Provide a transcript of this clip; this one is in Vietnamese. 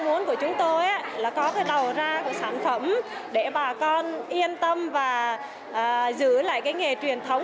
mong muốn của chúng tôi là có cái đầu ra của sản phẩm để bà con yên tâm và giữ lại cái nghề truyền thống